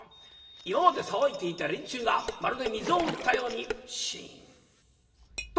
今まで騒いでいた連中がまるで水を打ったようにシンと。